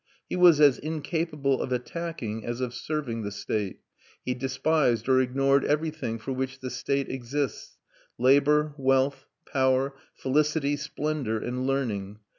He was as incapable of attacking as of serving the state; he despised or ignored everything for which the state exists, labour, wealth, power, felicity, splendour, and learning.